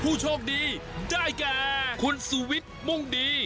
ผู้โชคดีได้แก่คุณสุวิทย์มุ่งดี